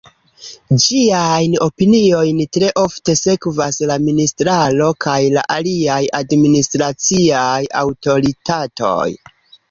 Ĝiajn opiniojn tre ofte sekvas la ministraro kaj la aliaj administraciaj aŭtoritatoj.